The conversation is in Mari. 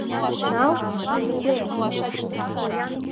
Нал, пӧлеклем!